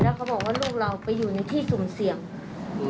แล้วเขาบอกว่าลูกเราไปอยู่ในที่สุ่มเสี่ยง